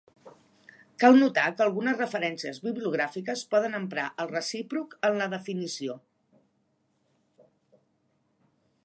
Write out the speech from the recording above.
Cal notar que algunes referències bibliogràfiques poden emprar el recíproc en la definició.